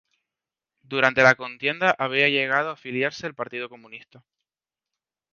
Durante la contienda habría llegado a afiliarse al Partido Comunista.